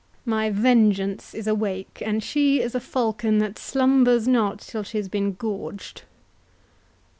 My vengeance is awake, and she is a falcon that slumbers not till she has been gorged."